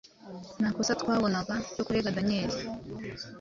Nta kosa twabona ryo kurega Daniyeli,